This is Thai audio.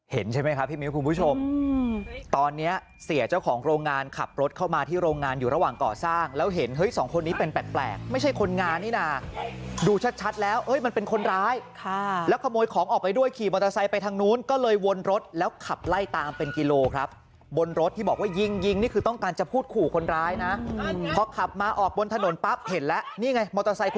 เห็นใช่ไหมครับพี่มิวคุณผู้ชมตอนเนี้ยเสียเจ้าของโรงงานขับรถเข้ามาที่โรงงานอยู่ระหว่างก่อสร้างแล้วเห็นเฮ้ยสองคนนี้เป็นแปลกแปลกไม่ใช่คนงานนี่น่ะดูชัดชัดแล้วเฮ้ยมันเป็นคนร้ายค่ะแล้วขโมยของออกไปด้วยขี่มอเตอร์ไซค์ไปทางนู้นก็เลยวนรถแล้วขับไล่ตามเป็นกิโลครับบนรถที่บอกว่ายิงยิงนี่คือต้